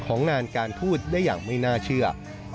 งานการทูตได้อย่างไม่น่าเชื่อ